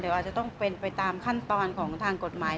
อาจจะต้องเป็นไปตามขั้นตอนของทางกฎหมาย